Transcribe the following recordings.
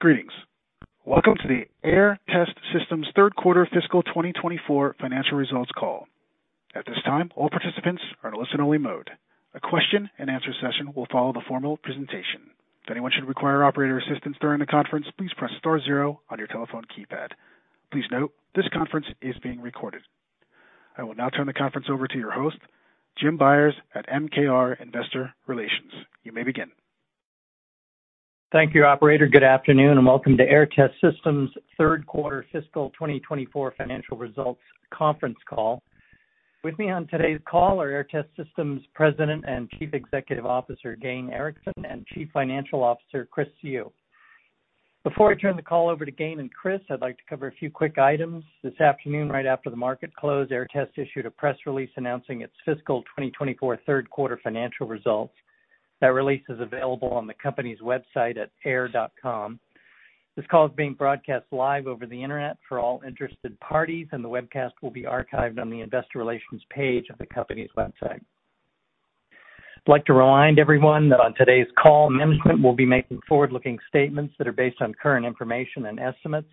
Greetings. Welcome to the Aehr Test Systems third-quarter fiscal 2024 financial results call. At this time, all participants are in a listen-only mode. A question-and-answer session will follow the formal presentation. If anyone should require operator assistance during the conference, please press star zero on your telephone keypad. Please note, this conference is being recorded. I will now turn the conference over to your host, Jim Byers at MKR Investor Relations. You may begin. Thank you, operator. Good afternoon and welcome to Aehr Test Systems third-quarter fiscal 2024 financial results conference call. With me on today's call are Aehr Test Systems President and Chief Executive Officer Gayn Erickson and Chief Financial Officer Chris Siu. Before I turn the call over to Gayn and Chris, I'd like to cover a few quick items. This afternoon, right after the market close, Aehr Test issued a press release announcing its fiscal 2024 third-quarter financial results. That release is available on the company's website at aehr.com. This call is being broadcast live over the internet for all interested parties, and the webcast will be archived on the Investor Relations page of the company's website. I'd like to remind everyone that on today's call, management will be making forward-looking statements that are based on current information and estimates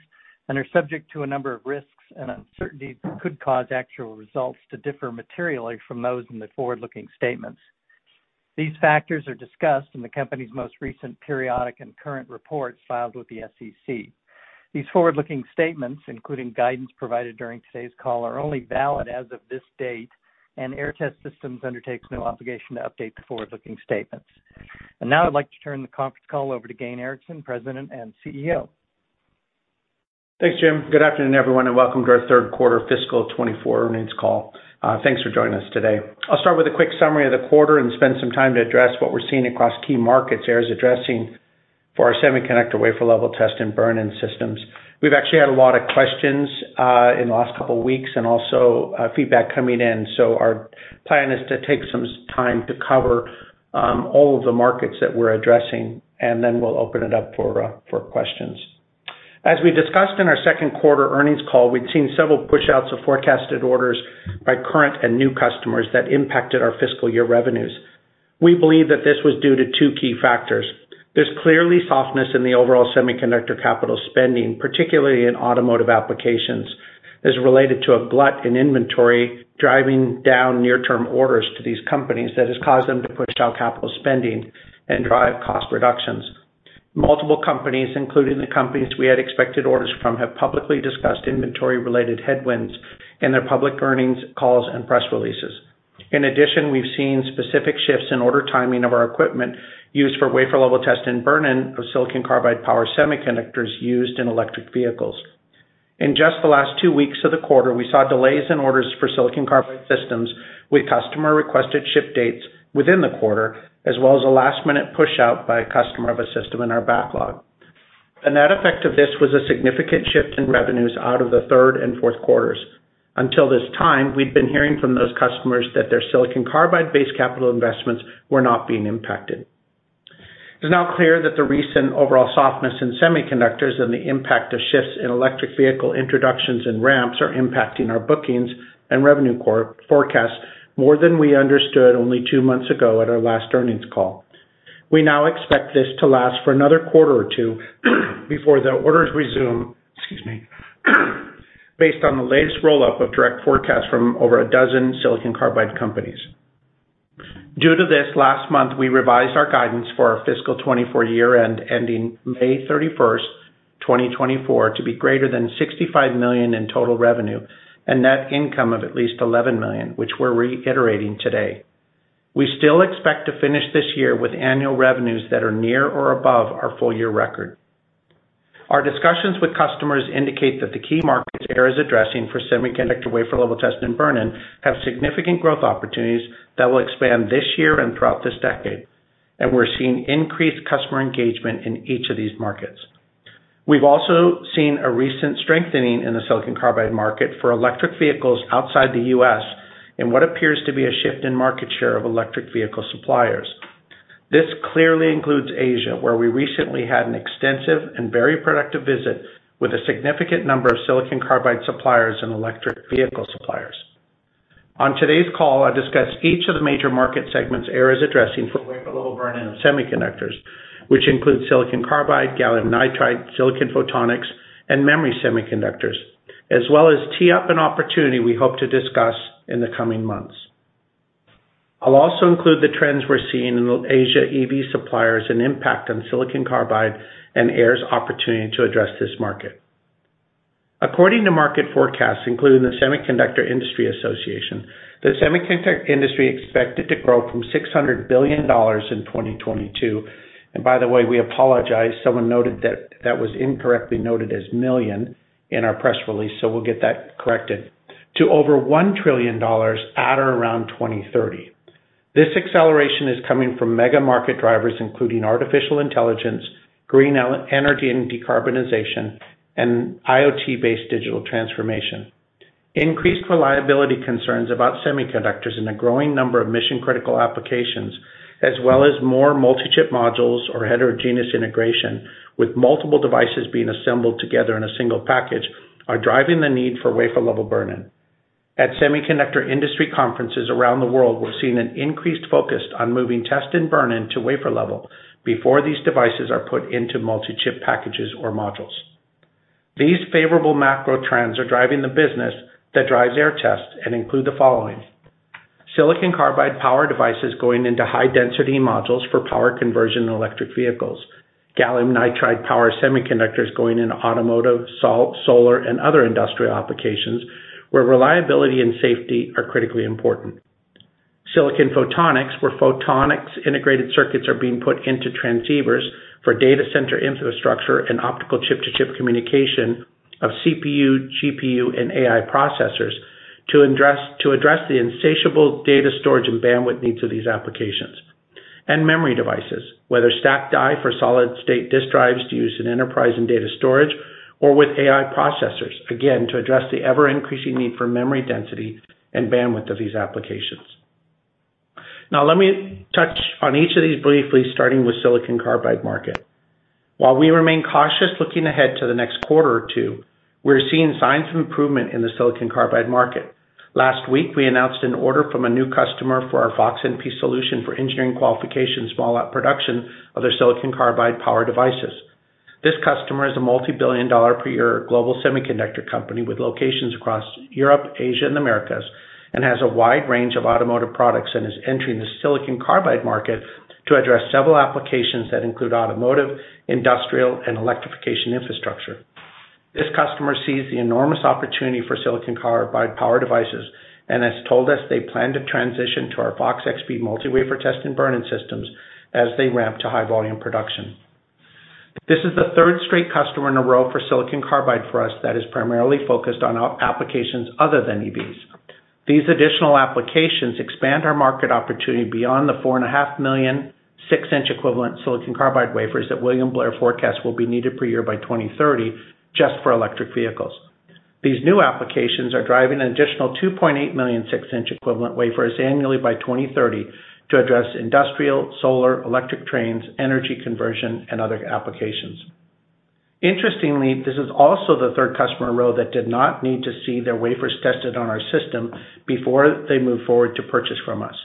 and are subject to a number of risks and uncertainties that could cause actual results to differ materially from those in the forward-looking statements. These factors are discussed in the company's most recent periodic and current reports filed with the SEC. These forward-looking statements, including guidance provided during today's call, are only valid as of this date, and Aehr Test Systems undertakes no obligation to update the forward-looking statements. Now I'd like to turn the conference call over to Gayn Erickson, President and CEO. Thanks, Jim. Good afternoon, everyone, and welcome to our third-quarter fiscal 2024 earnings call. Thanks for joining us today. I'll start with a quick summary of the quarter and spend some time to address what we're seeing across key markets. Aehr is addressing for our semiconductor wafer-level test and burn-in systems. We've actually had a lot of questions in the last couple of weeks and also feedback coming in, so our plan is to take some time to cover all of the markets that we're addressing, and then we'll open it up for questions. As we discussed in our second-quarter earnings call, we'd seen several pushouts of forecasted orders by current and new customers that impacted our fiscal year revenues. We believe that this was due to two key factors. There's clearly softness in the overall semiconductor capital spending, particularly in automotive applications. This is related to a glut in inventory driving down near-term orders to these companies that has caused them to push out capital spending and drive cost reductions. Multiple companies, including the companies we had expected orders from, have publicly discussed inventory-related headwinds in their public earnings calls and press releases. In addition, we've seen specific shifts in order timing of our equipment used for wafer-level burn-in of silicon carbide power semiconductors used in electric vehicles. In just the last two weeks of the quarter, we saw delays in orders for silicon carbide systems with customer-requested ship dates within the quarter, as well as a last-minute pushout by a customer of a system in our backlog. A net effect of this was a significant shift in revenues out of the third and fourth quarters. Until this time, we'd been hearing from those customers that their silicon carbide-based capital investments were not being impacted. It's now clear that the recent overall softness in semiconductors and the impact of shifts in electric vehicle introductions and ramps are impacting our bookings and revenue forecasts more than we understood only two months ago at our last earnings call. We now expect this to last for another quarter or two before the orders resume based on the latest rollup of direct forecasts from over a dozen silicon carbide companies. Due to this, last month we revised our guidance for our fiscal 2024 year-end ending May 31st, 2024, to be greater than $65 million in total revenue and net income of at least $11 million, which we're reiterating today. We still expect to finish this year with annual revenues that are near or above our full-year record. Our discussions with customers indicate that the key markets Aehr is addressing for semiconductor wafer-level test and burn-in have significant growth opportunities that will expand this year and throughout this decade, and we're seeing increased customer engagement in each of these markets. We've also seen a recent strengthening in the silicon carbide market for electric vehicles outside the U.S. in what appears to be a shift in market share of electric vehicle suppliers. This clearly includes Asia, where we recently had an extensive and very productive visit with a significant number of silicon carbide suppliers and electric vehicle suppliers. On today's call, I'll discuss each of the major market segments Aehr is addressing for wafer-level burn-in of semiconductors, which includes silicon carbide, gallium nitride, silicon photonics, and memory semiconductors, as well as tee up an opportunity we hope to discuss in the coming months. I'll also include the trends we're seeing in Asia EV suppliers and impact on silicon carbide and Aehr's opportunity to address this market. According to market forecasts, including the Semiconductor Industry Association, the semiconductor industry expected to grow from $600 billion in 2022 (and by the way, we apologize, someone noted that that was incorrectly noted as million in our press release, so we'll get that corrected) to over $1 trillion at or around 2030. This acceleration is coming from mega-market drivers including artificial intelligence, green energy and decarbonization, and IoT-based digital transformation. Increased reliability concerns about semiconductors and a growing number of mission-critical applications, as well as more multi-chip modules or heterogeneous integration with multiple devices being assembled together in a single package, are driving the need for wafer-level burn-in. At semiconductor industry conferences around the world, we're seeing an increased focus on moving test and burn-in to wafer level before these devices are put into multi-chip packages or modules. These favorable macro trends are driving the business that drives Aehr Test Systems and include the following: silicon carbide power devices going into high-density modules for power conversion in electric vehicles. Gallium nitride power semiconductors going into automotive, solar, and other industrial applications, where reliability and safety are critically important. Silicon photonics, where photonic integrated circuits are being put into transceivers for data center infrastructure and optical chip-to-chip communication of CPU, GPU, and AI processors to address the insatiable data storage and bandwidth needs of these applications. And memory devices, whether stacked die for solid-state drives to use in enterprise and data storage or with AI processors, again, to address the ever-increasing need for memory density and bandwidth of these applications. Now, let me touch on each of these briefly, starting with the silicon carbide market. While we remain cautious looking ahead to the next quarter or two, we're seeing signs of improvement in the silicon carbide market. Last week, we announced an order from a new customer for our FOX-NP solution for engineering qualification small-volume production of their silicon carbide power devices. This customer is a multi-billion-dollar per year global semiconductor company with locations across Europe, Asia, and the Americas and has a wide range of automotive products and is entering the silicon carbide market to address several applications that include automotive, industrial, and electrification infrastructure. This customer sees the enormous opportunity for silicon carbide power devices and has told us they plan to transition to our FOX-XP multi-wafer test and burn-in systems as they ramp to high-volume production. This is the third straight customer in a row for silicon carbide for us that is primarily focused on applications other than EVs. These additional applications expand our market opportunity beyond the 4.5 million six-inch equivalent silicon carbide wafers that William Blair forecasts will be needed per year by 2030 just for electric vehicles. These new applications are driving an additional 2.8 million six-inch equivalent wafers annually by 2030 to address industrial, solar, electric trains, energy conversion, and other applications. Interestingly, this is also the third customer in a row that did not need to see their wafers tested on our system before they moved forward to purchase from us.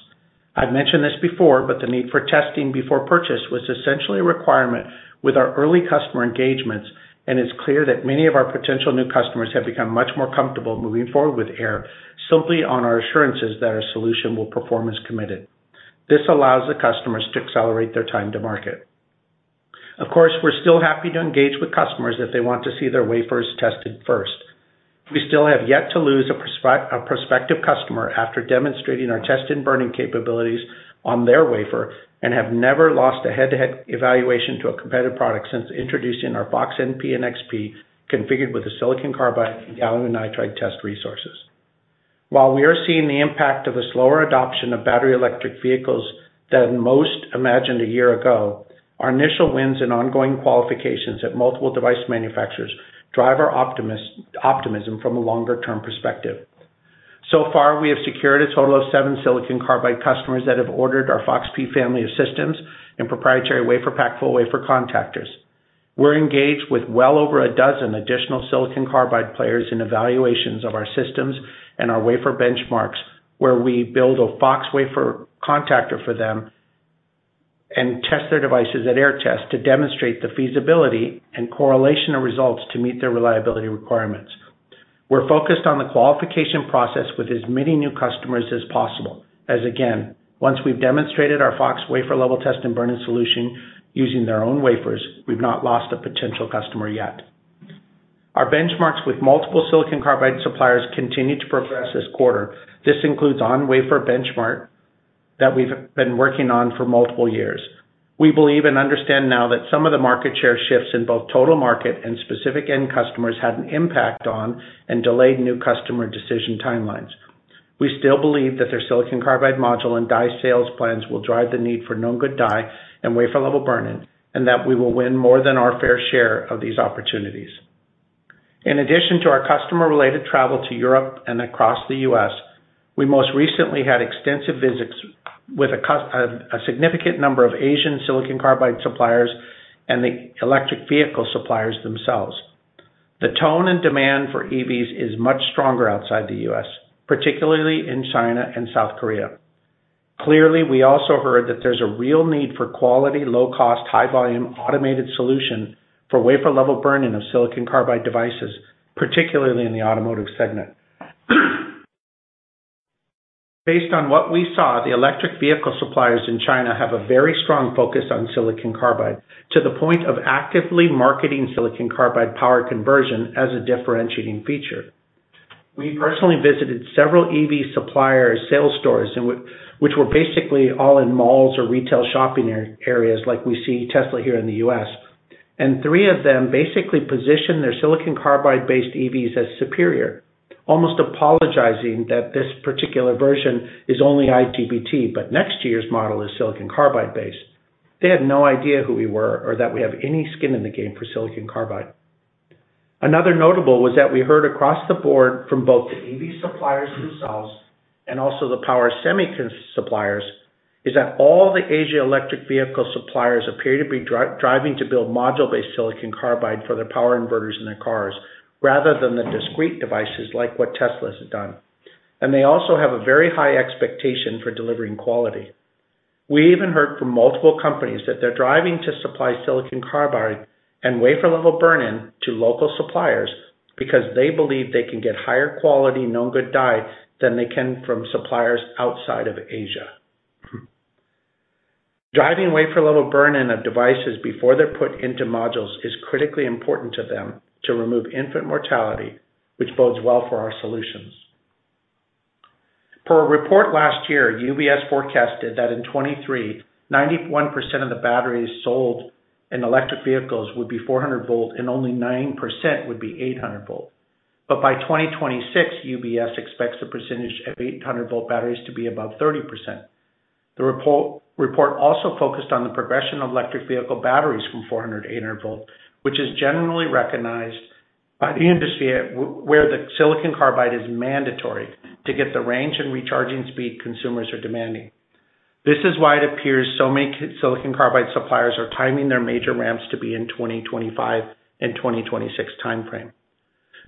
I've mentioned this before, but the need for testing before purchase was essentially a requirement with our early customer engagements, and it's clear that many of our potential new customers have become much more comfortable moving forward with Aehr simply on our assurances that our solution will perform as committed. This allows the customers to accelerate their time to market. Of course, we're still happy to engage with customers if they want to see their wafers tested first. We still have yet to lose a prospective customer after demonstrating our test and burn-in capabilities on their wafer and have never lost a head-to-head evaluation to a competitive product since introducing our FOX-NP and FOX-XP configured with the silicon carbide and gallium nitride test resources. While we are seeing the impact of a slower adoption of battery electric vehicles than most imagined a year ago, our initial wins in ongoing qualifications at multiple device manufacturers drive our optimism from a longer-term perspective. So far, we have secured a total of seven silicon carbide customers that have ordered our FOX-P family of systems and proprietary WaferPak full wafer contactors. We're engaged with well over a dozen additional silicon carbide players in evaluations of our systems and our wafer benchmarks, where we build a FOX wafer contactor for them and test their devices at Aehr Test Systems to demonstrate the feasibility and correlation of results to meet their reliability requirements. We're focused on the qualification process with as many new customers as possible, as again, once we've demonstrated our FOX wafer-level test and burn-in solution using their own wafers, we've not lost a potential customer yet. Our benchmarks with multiple silicon carbide suppliers continue to progress this quarter. This includes on-wafer benchmark that we've been working on for multiple years. We believe and understand now that some of the market share shifts in both total market and specific end customers had an impact on and delayed new customer decision timelines. We still believe that their silicon carbide module and die sales plans will drive the need for known good die and wafer-level burn-in and that we will win more than our fair share of these opportunities. In addition to our customer-related travel to Europe and across the U.S., we most recently had extensive visits with a significant number of Asian silicon carbide suppliers and the electric vehicle suppliers themselves. The tone and demand for EVs is much stronger outside the U.S., particularly in China and South Korea. Clearly, we also heard that there's a real need for quality, low-cost, high-volume automated solution for wafer-level burn-in of silicon carbide devices, particularly in the automotive segment. Based on what we saw, the electric vehicle suppliers in China have a very strong focus on silicon carbide to the point of actively marketing silicon carbide power conversion as a differentiating feature. We personally visited several EV supplier sales stores, which were basically all in malls or retail shopping areas like we see Tesla here in the U.S., and three of them basically positioned their silicon carbide-based EVs as superior, almost apologizing that this particular version is only IGBT, but next year's model is silicon carbide-based. They had no idea who we were or that we have any skin in the game for silicon carbide. Another notable was that we heard across the board from both the EV suppliers themselves and also the power semiconductor suppliers is that all the Asia electric vehicle suppliers appear to be driving to build module-based silicon carbide for their power inverters in their cars rather than the discrete devices like what Tesla has done, and they also have a very high expectation for delivering quality. We even heard from multiple companies that they're driving to supply silicon carbide and wafer-level burn-in to local suppliers because they believe they can get higher quality known good die than they can from suppliers outside of Asia. Driving wafer-level burn-in of devices before they're put into modules is critically important to them to remove infant mortality, which bodes well for our solutions. Per a report last year, UBS forecasted that in 2023, 91% of the batteries sold in electric vehicles would be 400-volt and only 9% would be 800-volt. But by 2026, UBS expects the percentage of 800-volt batteries to be above 30%. The report also focused on the progression of electric vehicle batteries from 400 volt-800 volt, which is generally recognized by the industry where the silicon carbide is mandatory to get the range and recharging speed consumers are demanding. This is why it appears so many silicon carbide suppliers are timing their major ramps to be in 2025 and 2026 timeframe.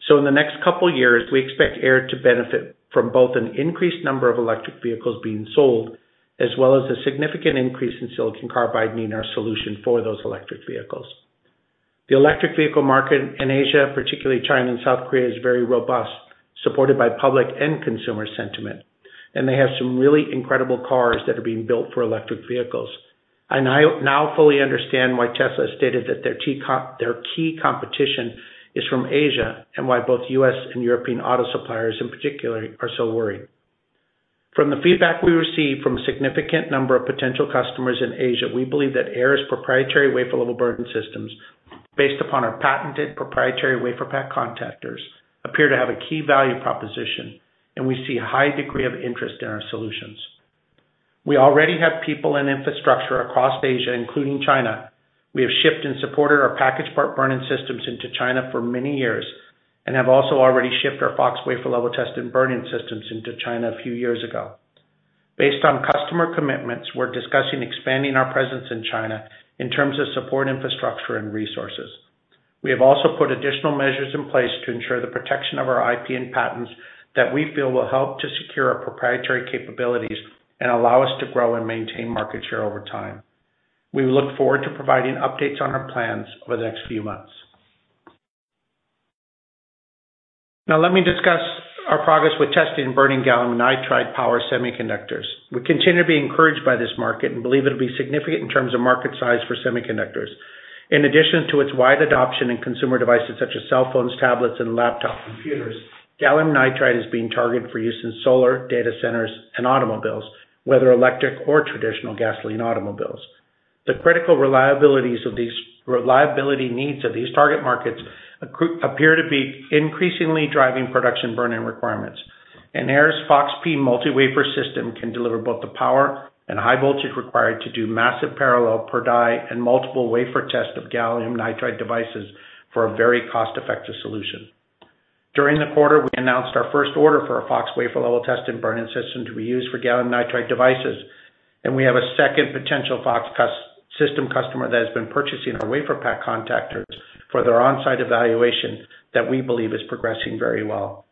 So in the next couple of years, we expect Aehr to benefit from both an increased number of electric vehicles being sold as well as a significant increase in silicon carbide needing our solution for those electric vehicles. The electric vehicle market in Asia, particularly China and South Korea, is very robust, supported by public and consumer sentiment, and they have some really incredible cars that are being built for electric vehicles. I now fully understand why Tesla stated that their key competition is from Asia and why both U.S. and European auto suppliers, in particular, are so worried. From the feedback we received from a significant number of potential customers in Asia, we believe that Aehr's proprietary wafer-level burn-in systems, based upon our patented proprietary WaferPak contactors, appear to have a key value proposition, and we see a high degree of interest in our solutions. We already have people and infrastructure across Asia, including China. We have shipped and supported our packaged part burn-in systems into China for many years and have also already shipped our FOX wafer-level test and burn-in systems into China a few years ago. Based on customer commitments, we're discussing expanding our presence in China in terms of support infrastructure and resources. We have also put additional measures in place to ensure the protection of our IP and patents that we feel will help to secure our proprietary capabilities and allow us to grow and maintain market share over time. We look forward to providing updates on our plans over the next few months. Now, let me discuss our progress with testing in burn-in gallium nitride power semiconductors. We continue to be encouraged by this market and believe it'll be significant in terms of market size for semiconductors. In addition to its wide adoption in consumer devices such as cell phones, tablets, and laptop computers, gallium nitride is being targeted for use in solar, data centers, and automobiles, whether electric or traditional gasoline automobiles. The critical reliability needs of these target markets appear to be increasingly driving production burn-in requirements, and Aehr's FOX-P multi-wafer system can deliver both the power and high voltage required to do massive parallel per die and multiple wafer tests of gallium nitride devices for a very cost-effective solution. During the quarter, we announced our first order for a FOX wafer-level burn-in system to be used for gallium nitride devices, and we have a second potential FOX system customer that has been purchasing our WaferPak contactors for their on-site evaluation that we believe is progressing very well.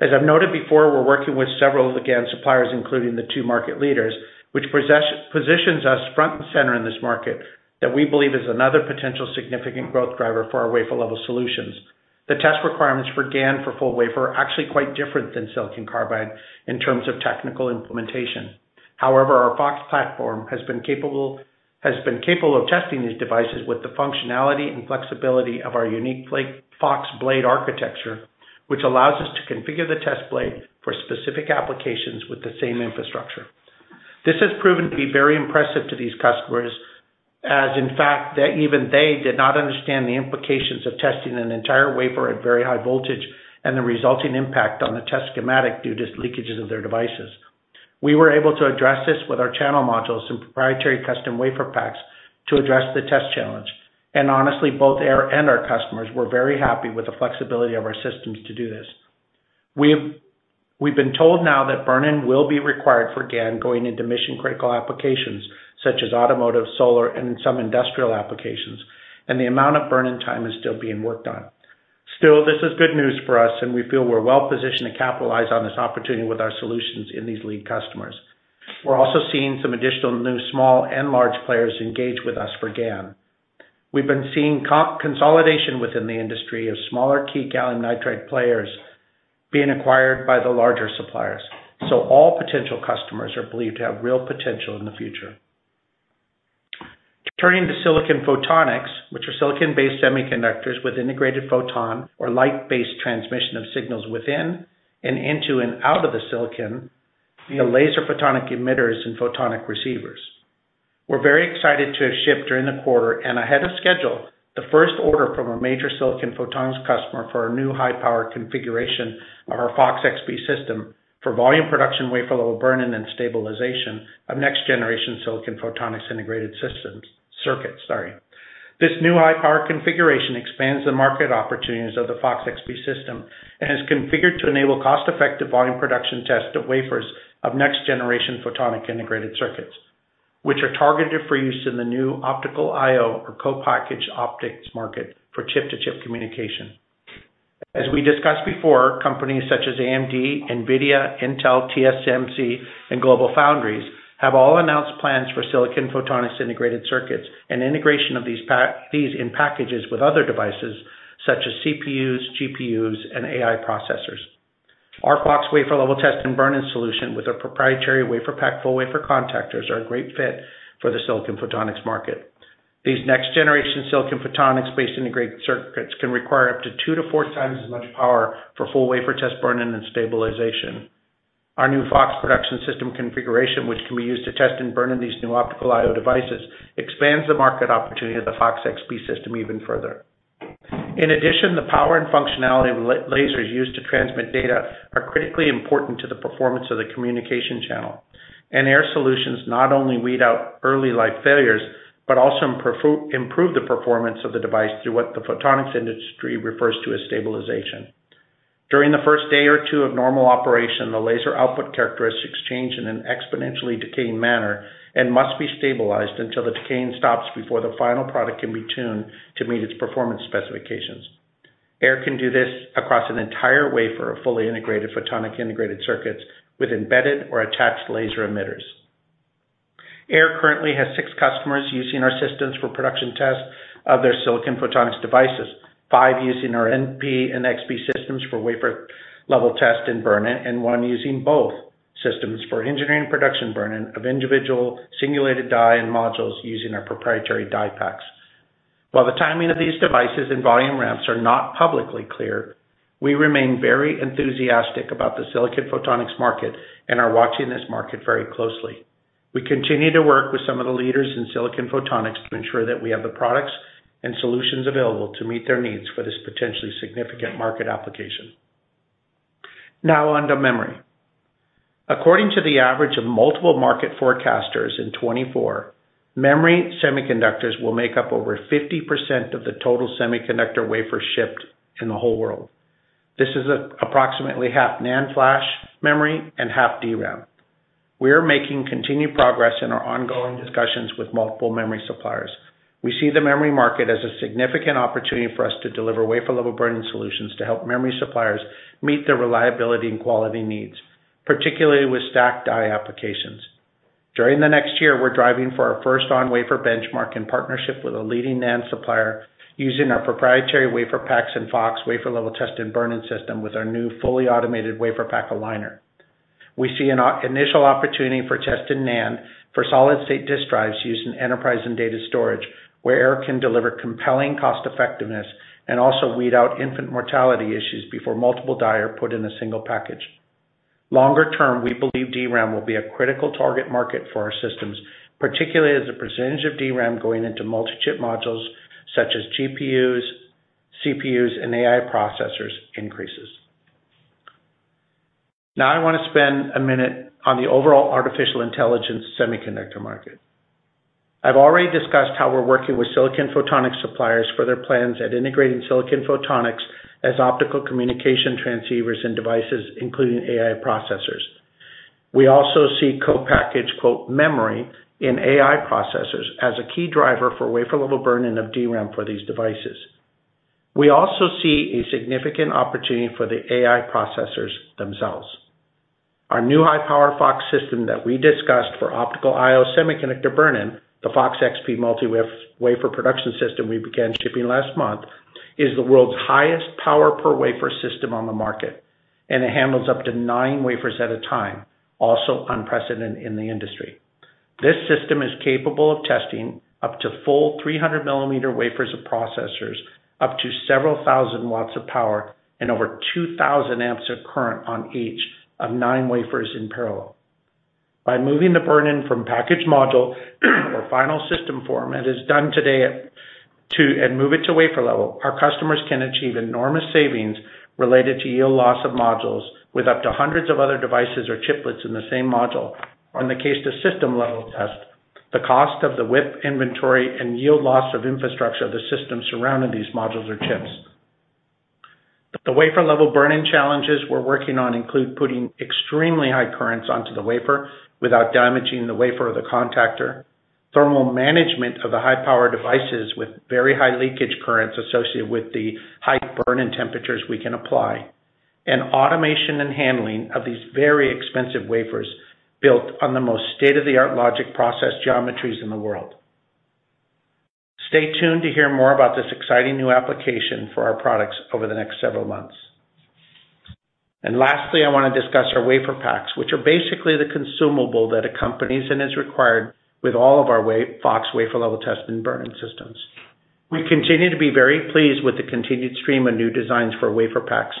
As I've noted before, we're working with several of the GaN suppliers, including the two market leaders, which positions us front and center in this market that we believe is another potential significant growth driver for our wafer-level solutions. The test requirements for GaN for full wafer are actually quite different than silicon carbide in terms of technical implementation. However, our FOX platform has been capable of testing these devices with the functionality and flexibility of our unique FOX Blade architecture, which allows us to configure the test blade for specific applications with the same infrastructure. This has proven to be very impressive to these customers as, in fact, even they did not understand the implications of testing an entire wafer at very high voltage and the resulting impact on the test schematic due to leakages of their devices. We were able to address this with our channel modules and proprietary custom WaferPaks to address the test challenge, and honestly, both Aehr and our customers were very happy with the flexibility of our systems to do this. We've been told now that burn-in will be required for GaN going into mission-critical applications such as automotive, solar, and some industrial applications, and the amount of burn-in time is still being worked on. Still, this is good news for us, and we feel we're well positioned to capitalize on this opportunity with our solutions in these lead customers. We're also seeing some additional new small and large players engage with us for GaN. We've been seeing consolidation within the industry of smaller key gallium nitride players being acquired by the larger suppliers, so all potential customers are believed to have real potential in the future. Turning to silicon photonics, which are silicon-based semiconductors with integrated photon or light-based transmission of signals within and into and out of the silicon via laser photonic emitters and photonic receivers. We're very excited to have shipped during the quarter and ahead of schedule the first order from a major silicon photonics customer for our new high-power configuration of our FOX-XP system for volume production wafer-level burn-in and stabilization of next-generation silicon photonics integrated circuits. This new high-power configuration expands the market opportunities of the FOX-XP system and is configured to enable cost-effective volume production tests of wafers of next-generation photonic integrated circuits, which are targeted for use in the new optical I/O or co-packaged optics market for chip-to-chip communication. As we discussed before, companies such as AMD, NVIDIA, Intel, TSMC, and GlobalFoundries have all announced plans for silicon photonics integrated circuits and integration of these in packages with other devices such as CPUs, GPUs, and AI processors. Our FOX wafer-level test and burn-in solution with our proprietary WaferPak full wafer contactors are a great fit for the silicon photonics market. These next-generation silicon photonics-based integrated circuits can require up to two to four times as much power for full wafer test and burn-in and stabilization. Our new FOX production system configuration, which can be used to test and burn-in these new optical I/O devices, expands the market opportunity of the FOX-XP system even further. In addition, the power and functionality of lasers used to transmit data are critically important to the performance of the communication channel, and Aehr solutions not only weed out early-life failures but also improve the performance of the device through what the photonics industry refers to as stabilization. During the first day or two of normal operation, the laser output characteristics change in an exponentially decaying manner and must be stabilized until the decaying stops before the final product can be tuned to meet its performance specifications. Aehr can do this across an entire wafer of fully integrated photonic integrated circuits with embedded or attached laser emitters. Aehr currently has six customers using our systems for production tests of their silicon photonics devices, five using our NP and XP systems for wafer-level test and burn-in, and one using both systems for engineering production burn-in of individual singulated die and modules using our proprietary DiePak. While the timing of these devices and volume ramps are not publicly clear, we remain very enthusiastic about the silicon photonics market and are watching this market very closely. We continue to work with some of the leaders in silicon photonics to ensure that we have the products and solutions available to meet their needs for this potentially significant market application. Now onto memory. According to the average of multiple market forecasters in 2024, memory semiconductors will make up over 50% of the total semiconductor wafer shipped in the whole world. This is approximately half NAND flash memory and half DRAM. We are making continued progress in our ongoing discussions with multiple memory suppliers. We see the memory market as a significant opportunity for us to deliver wafer-level burn-in solutions to help memory suppliers meet their reliability and quality needs, particularly with stacked die applications. During the next year, we're driving for our first-on-wafer benchmark in partnership with a leading NAND supplier using our proprietary WaferPaks and FOX wafer-level test and burn-in system with our new fully automated WaferPak Aligner. We see an initial opportunity for testing NAND for solid-state drives using enterprise and data storage where Aehr can deliver compelling cost-effectiveness and also weed out infant mortality issues before multiple die are put in a single package. Longer term, we believe DRAM will be a critical target market for our systems, particularly as the percentage of DRAM going into multi-chip modules such as GPUs, CPUs, and AI processors increases. Now I want to spend a minute on the overall artificial intelligence semiconductor market. I've already discussed how we're working with silicon photonics suppliers for their plans at integrating silicon photonics as optical communication transceivers in devices including AI processors. We also see co-packaged memory in AI processors as a key driver for wafer-level burn-in of DRAM for these devices. We also see a significant opportunity for the AI processors themselves. Our new high-power FOX-XP system that we discussed for optical I/O semiconductor burn-in, the FOX-XP multi-wafer production system we began shipping last month, is the world's highest power per wafer system on the market, and it handles up to nine wafers at a time, also unprecedented in the industry. This system is capable of testing up to full 300 mm wafers of processors, up to several thousand watts of power, and over 2,000 amps of current on each of nine wafers in parallel. By moving the burn-in from package module, our final system form, and move it to wafer-level, our customers can achieve enormous savings related to yield loss of modules with up to hundreds of other devices or chiplets in the same module. Or in the case of system level test, the cost of the WIP inventory and yield loss of infrastructure of the systems surrounding these modules or chips. The wafer-level burn-in challenges we're working on include putting extremely high currents onto the wafer without damaging the wafer or the contactor, thermal management of the high-power devices with very high leakage currents associated with the high burn-in temperatures we can apply, and automation and handling of these very expensive wafers built on the most state-of-the-art logic process geometries in the world. Stay tuned to hear more about this exciting new application for our products over the next several months. And lastly, I want to discuss our WaferPaks, which are basically the consumable that accompanies and is required with all of our FOX wafer-level test and burn-in systems. We continue to be very pleased with the continued stream of new designs for WaferPaks.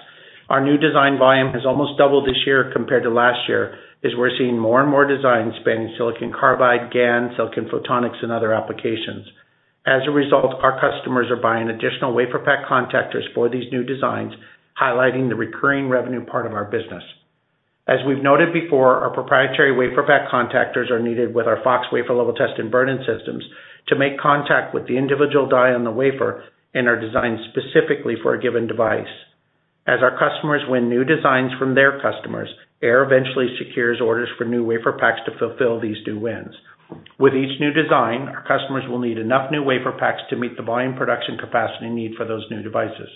Our new design volume has almost doubled this year compared to last year, as we're seeing more and more designs spanning silicon carbide, GaN, silicon photonics, and other applications. As a result, our customers are buying additional WaferPak contactors for these new designs, highlighting the recurring revenue part of our business. As we've noted before, our proprietary WaferPak contactors are needed with our FOX wafer-level test and burn-in systems to make contact with the individual die on the wafer and are designed specifically for a given device. As our customers win new designs from their customers, Aehr eventually secures orders for new WaferPaks to fulfill these new wins. With each new design, our customers will need enough new WaferPaks to meet the volume production capacity need for those new devices.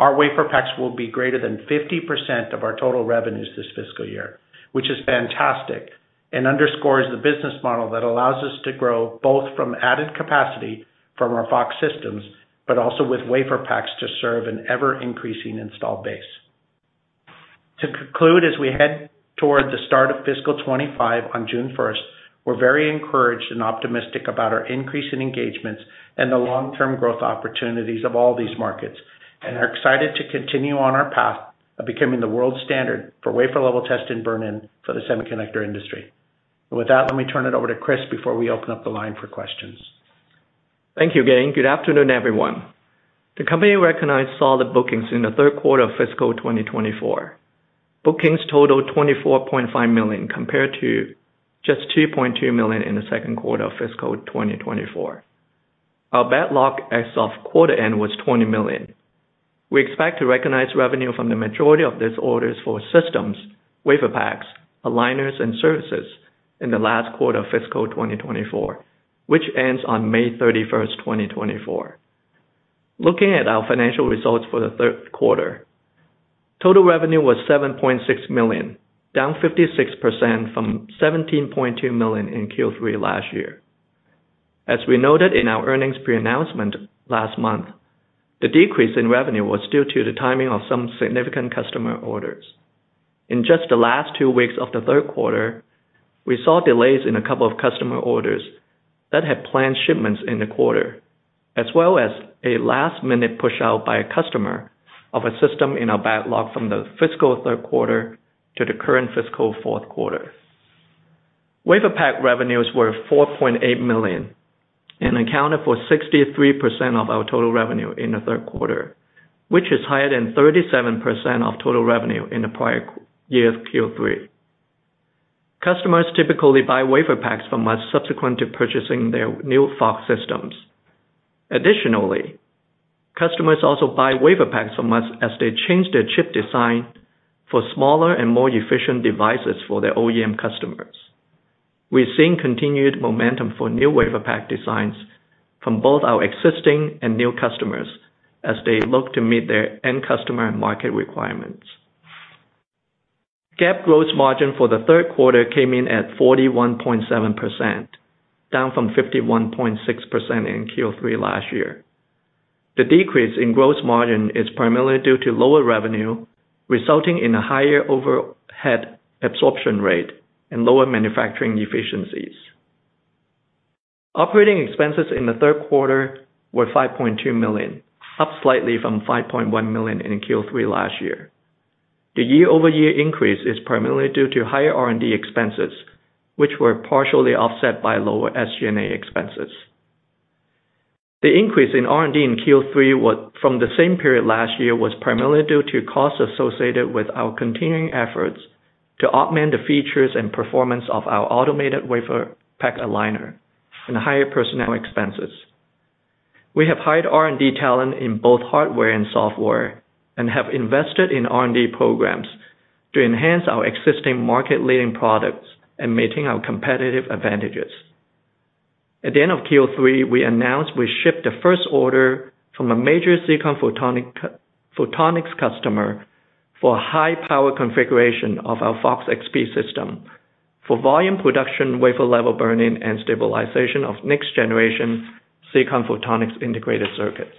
Our WaferPaks will be greater than 50% of our total revenues this fiscal year, which is fantastic and underscores the business model that allows us to grow both from added capacity from our FOX systems but also with WaferPaks to serve an ever-increasing install base. To conclude, as we head toward the start of fiscal 2025 on June 1st, we're very encouraged and optimistic about our increase in engagements and the long-term growth opportunities of all these markets, and are excited to continue on our path of becoming the world standard for wafer-level test and burn-in for the semiconductor industry. With that, let me turn it over to Chris before we open up the line for questions. Thank you, Gayn. Good afternoon, everyone. The company recognized solid bookings in the third quarter of fiscal 2024. Bookings totaled $24.5 million compared to just $2.2 million in the second quarter of fiscal 2024. Our backlog as of quarter end was $20 million. We expect to recognize revenue from the majority of these orders for systems, WaferPaks, aligners, and services in the last quarter of fiscal 2024, which ends on May 31st, 2024. Looking at our financial results for the third quarter, total revenue was $7.6 million, down 56% from $17.2 million in Q3 last year. As we noted in our earnings pre-announcement last month, the decrease in revenue was due to the timing of some significant customer orders. In just the last two weeks of the third quarter, we saw delays in a couple of customer orders that had planned shipments in the quarter, as well as a last-minute push-out by a customer of a system in our backlog from the fiscal third quarter to the current fiscal fourth quarter. WaferPak revenues were $4.8 million and accounted for 63% of our total revenue in the third quarter, which is higher than 37% of total revenue in the prior year's Q3. Customers typically buy WaferPaks from us subsequent to purchasing their new FOX systems. Additionally, customers also buy WaferPaks from us as they change their chip design for smaller and more efficient devices for their OEM customers. We're seeing continued momentum for new WaferPak designs from both our existing and new customers as they look to meet their end customer and market requirements. Gross margin for the third quarter came in at 41.7%, down from 51.6% in Q3 last year. The decrease in gross margin is primarily due to lower revenue resulting in a higher overhead absorption rate and lower manufacturing efficiencies. Operating expenses in the third quarter were $5.2 million, up slightly from $5.1 million in Q3 last year. The year-over-year increase is primarily due to higher R&D expenses, which were partially offset by lower SG&A expenses. The increase in R&D in Q3 from the same period last year was primarily due to costs associated with our continuing efforts to augment the features and performance of our automated WaferPak Aligner and higher personnel expenses. We have hired R&D talent in both hardware and software and have invested in R&D programs to enhance our existing market-leading products and meeting our competitive advantages. At the end of Q3, we announced we shipped the first order from a major silicon photonics customer for a high-power configuration of our FOX-XP system for volume production wafer-level burn-in and stabilization of next-generation silicon photonics integrated circuits.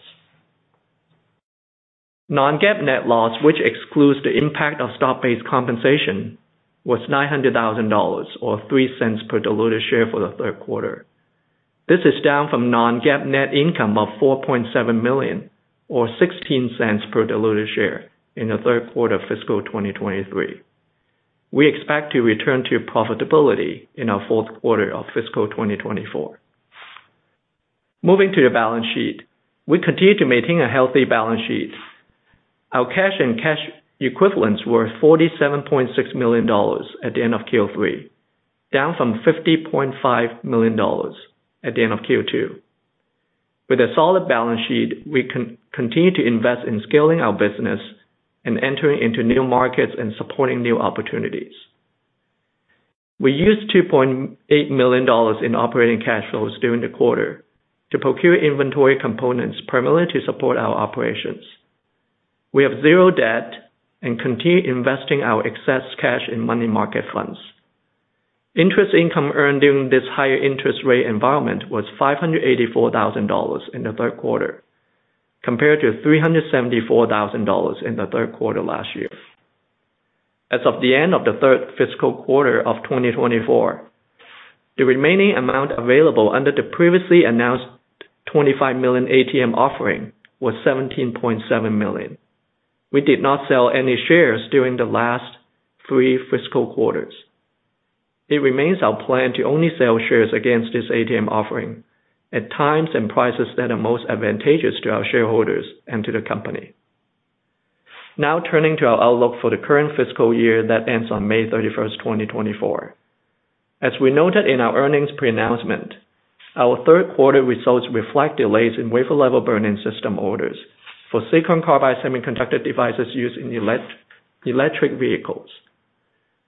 Non-GAAP net loss, which excludes the impact of stock-based compensation, was $900,000 or $0.03 per diluted share for the third quarter. This is down from Non-GAAP net income of $4.7 million or $0.16 per diluted share in the third quarter of fiscal 2023. We expect to return to profitability in our fourth quarter of fiscal 2024. Moving to the balance sheet, we continue to maintain a healthy balance sheet. Our cash and cash equivalents were $47.6 million at the end of Q3, down from $50.5 million at the end of Q2. With a solid balance sheet, we continue to invest in scaling our business and entering into new markets and supporting new opportunities. We used $2.8 million in operating cash flows during the quarter to procure inventory components primarily to support our operations. We have zero debt and continue investing our excess cash in money market funds. Interest income earned during this higher interest rate environment was $584,000 in the third quarter compared to $374,000 in the third quarter last year. As of the end of the third fiscal quarter of 2024, the remaining amount available under the previously announced $25 million ATM offering was $17.7 million. We did not sell any shares during the last three fiscal quarters. It remains our plan to only sell shares against this ATM offering at times and prices that are most advantageous to our shareholders and to the company. Now turning to our outlook for the current fiscal year that ends on May 31st, 2024. As we noted in our earnings pre-announcement, our third quarter results reflect delays in wafer-level burn-in system orders for silicon carbide semiconductor devices used in electric vehicles.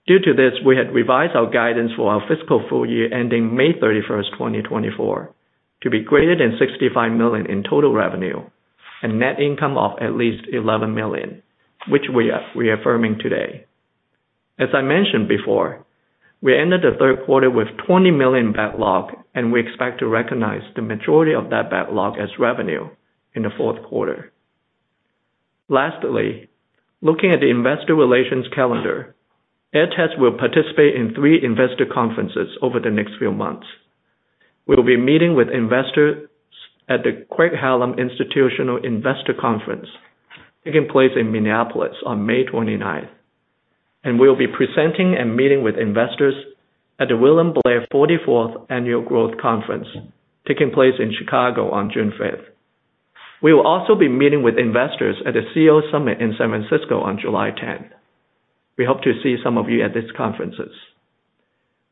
Due to this, we had revised our guidance for our fiscal full year ending May 31st, 2024, to be greater than $65 million in total revenue and net income of at least $11 million, which we are reaffirming today. As I mentioned before, we ended the third quarter with $20 million backlog, and we expect to recognize the majority of that backlog as revenue in the fourth quarter. Lastly, looking at the investor relations calendar, Aehr Test Systems will participate in three investor conferences over the next few months. We'll be meeting with investors at the Craig-Hallum Institutional Investor Conference taking place in Minneapolis on May 29th, and we'll be presenting and meeting with investors at the William Blair 44th Annual Growth Conference taking place in Chicago on June 5th. We will also be meeting with investors at the CEO Summit in San Francisco on July 10th. We hope to see some of you at these conferences.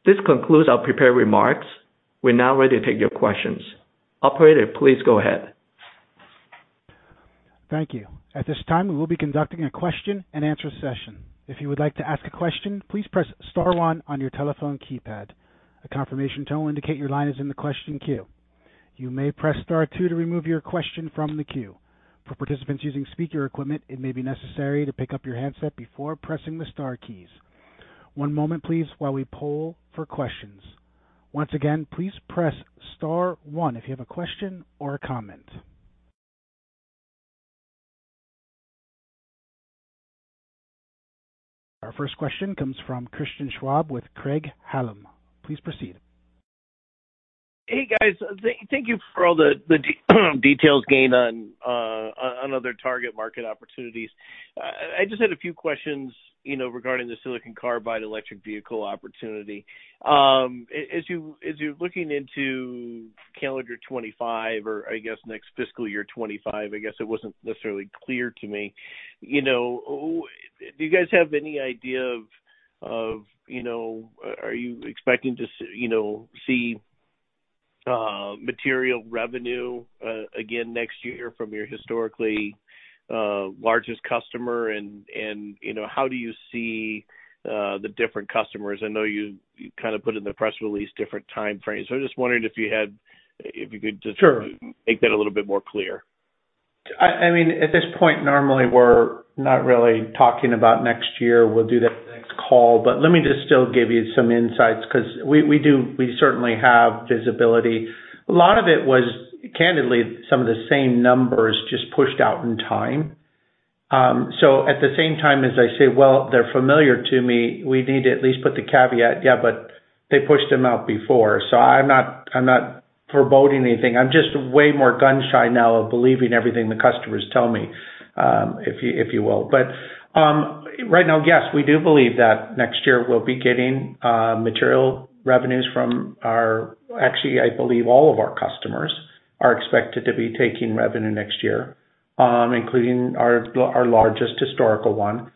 This concludes our prepared remarks. We're now ready to take your questions. Operator, please go ahead. Thank you. At this time, we will be conducting a question and answer session. If you would like to ask a question, please press star one on your telephone keypad. A confirmation tone will indicate your line is in the question queue. You may press star two to remove your question from the queue. For participants using speaker equipment, it may be necessary to pick up your handset before pressing the star keys. One moment, please, while we poll for questions. Once again, please press star one if you have a question or a comment. Our first question comes from Christian Schwab with Craig-Hallum. Please proceed. Hey, guys. Thank you for all the details, Gayn, on other target market opportunities. I just had a few questions regarding the silicon carbide electric vehicle opportunity. As you're looking into calendar 2025 or, I guess, next fiscal year 2025, I guess it wasn't necessarily clear to me. Do you guys have any idea of are you expecting to see material revenue again next year from your historically largest customer, and how do you see the different customers? I know you kind of put in the press release different time frames, so I'm just wondering if you could just make that a little bit more clear. Sure. I mean, at this point, normally, we're not really talking about next year. We'll do that next call. But let me just still give you some insights because we certainly have visibility. A lot of it was, candidly, some of the same numbers just pushed out in time. So at the same time as I say, "Well, they're familiar to me," we need to at least put the caveat, "Yeah, but they pushed them out before." So I'm not foreboding anything. I'm just way more gunshy now of believing everything the customers tell me, if you will. But right now, yes, we do believe that next year we'll be getting material revenues from our actually, I believe all of our customers are expected to be taking revenue next year, including our largest historical one.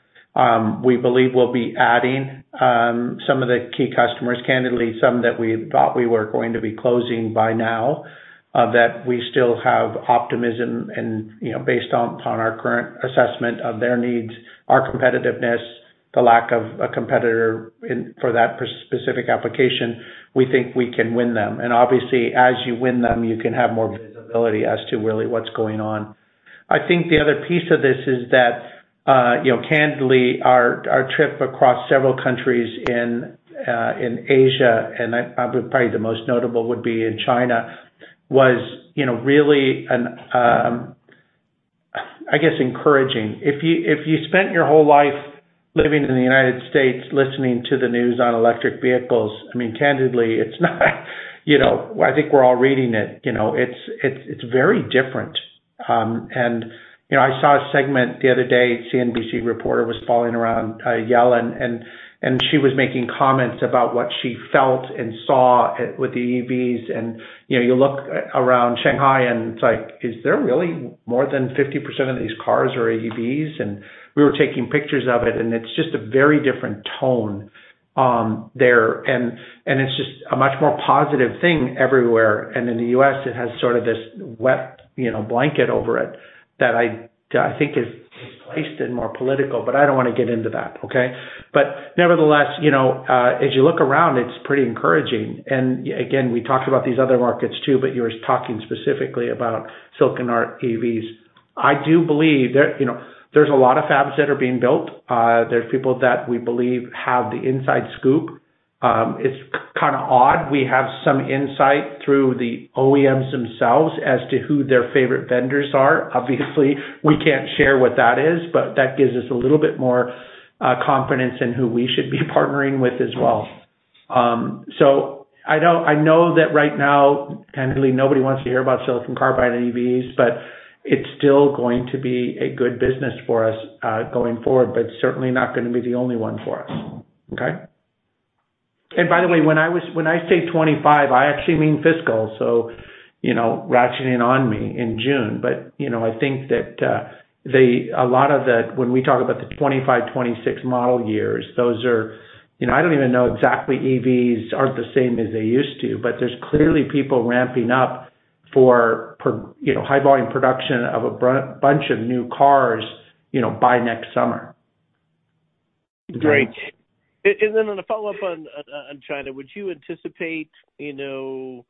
We believe we'll be adding some of the key customers, candidly, some that we thought we were going to be closing by now, that we still have optimism. And based upon our current assessment of their needs, our competitiveness, the lack of a competitor for that specific application, we think we can win them. And obviously, as you win them, you can have more visibility as to really what's going on. I think the other piece of this is that, candidly, our trip across several countries in Asia (and probably the most notable would be in China) was really, I guess, encouraging. If you spent your whole life living in the United States listening to the news on electric vehicles, I mean, candidly, it's not I think we're all reading it. It's very different. And I saw a segment the other day. CNBC reporter was running around yelling, and she was making comments about what she felt and saw with the EVs. And you look around Shanghai, and it's like, "Is there really more than 50% of these cars are EVs?" And we were taking pictures of it, and it's just a very different tone there. And it's just a much more positive thing everywhere. And in the U.S., it has sort of this wet blanket over it that I think is displaced and more political. But I don't want to get into that, okay? But nevertheless, as you look around, it's pretty encouraging. And again, we talked about these other markets too, but you were talking specifically about silicon carbide EVs. I do believe there's a lot of fabs that are being built. There's people that we believe have the inside scoop. It's kind of odd. We have some insight through the OEMs themselves as to who their favorite vendors are. Obviously, we can't share what that is, but that gives us a little bit more confidence in who we should be partnering with as well. So I know that right now, candidly, nobody wants to hear about silicon carbide and EVs, but it's still going to be a good business for us going forward, but certainly not going to be the only one for us, okay? And by the way, when I say 2025, I actually mean fiscal, so ratcheting on me in June. But I think that a lot of the when we talk about the 2025, 2026 model years, those are I don't even know exactly. EVs aren't the same as they used to, but there's clearly people ramping up for high-volume production of a bunch of new cars by next summer. Great. And then on a follow-up on China, would you anticipate seeing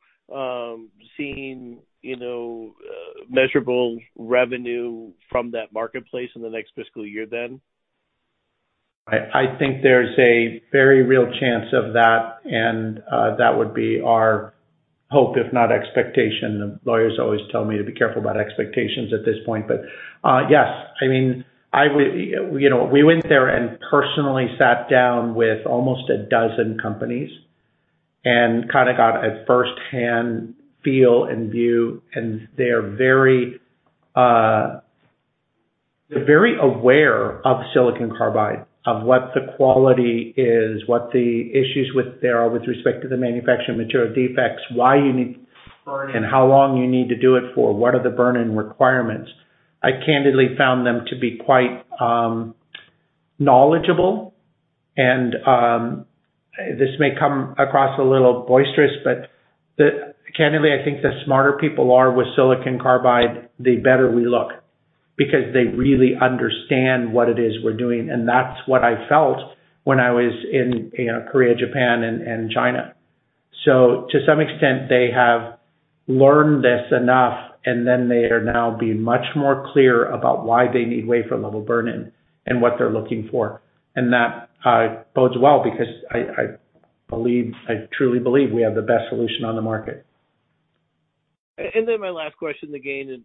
measurable revenue from that marketplace in the next fiscal year then? I think there's a very real chance of that, and that would be our hope, if not expectation. The lawyers always tell me to be careful about expectations at this point. But yes, I mean, we went there and personally sat down with almost a dozen companies and kind of got a firsthand feel and view. And they're very aware of silicon carbide, of what the quality is, what the issues there are with respect to the manufacturing material defects, why you need burn-in, how long you need to do it for, what are the burn-in requirements. I candidly found them to be quite knowledgeable. And this may come across a little boisterous, but candidly, I think the smarter people are with silicon carbide, the better we look because they really understand what it is we're doing. And that's what I felt when I was in Korea, Japan, and China. So to some extent, they have learned this enough, and then they are now being much more clear about why they need wafer-level burn-in and what they're looking for. And that bodes well because I truly believe we have the best solution on the market. And then my last question again,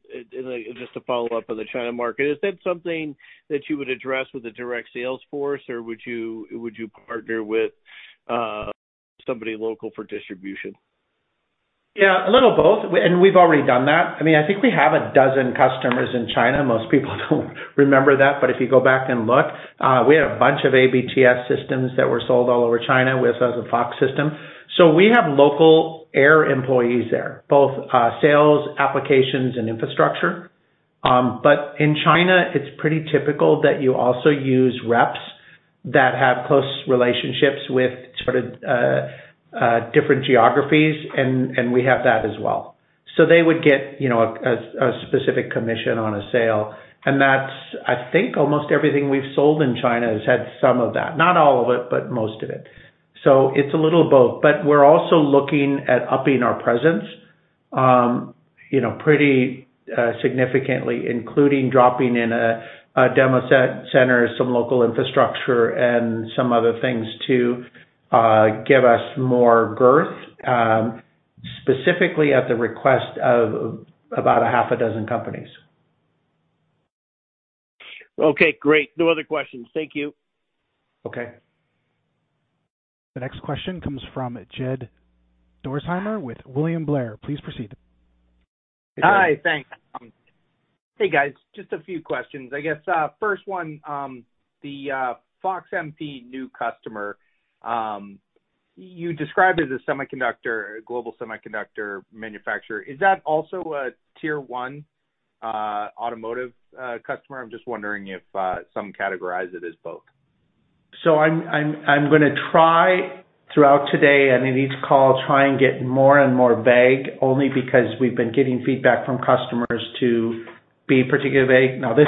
just to follow up on the China market, is that something that you would address with a direct sales force, or would you partner with somebody local for distribution? Yeah, a little of both. And we've already done that. I mean, I think we have a dozen customers in China. Most people don't remember that, but if you go back and look, we had a bunch of ABTS systems that were sold all over China, which has a FOX system. So we have local Aehr employees there, both sales, applications, and infrastructure. But in China, it's pretty typical that you also use reps that have close relationships with different geographies, and we have that as well. So they would get a specific commission on a sale. And I think almost everything we've sold in China has had some of that, not all of it, but most of it. So it's a little of both. But we're also looking at upping our presence pretty significantly, including dropping in a demo center, some local infrastructure, and some other things to give us more girth, specifically at the request of about a half a dozen companies. Okay, great. No other questions. Thank you. Okay. The next question comes from Jed Dorsheimer with William Blair. Please proceed. Hi, thanks. Hey, guys. Just a few questions. I guess first one, the FOX-XP new customer, you describe it as a global semiconductor manufacturer. Is that also a Tier 1 automotive customer? I'm just wondering if some categorize it as both. So, I'm going to try throughout today and in each call, try and get more and more vague only because we've been getting feedback from customers to be particularly vague. Now, this